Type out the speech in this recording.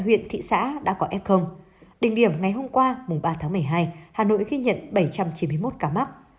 huyện thị xã đã có f đỉnh điểm ngày hôm qua mùng ba tháng một mươi hai hà nội ghi nhận bảy trăm chín mươi một ca mắc